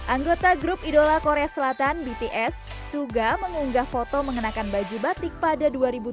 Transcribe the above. anggota grup idola korea selatan bts suga mengunggah foto mengenakan baju batik pada